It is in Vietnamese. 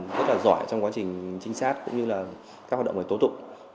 rất là giỏi trong quá trình trinh sát cũng như các hoạt động tố tụng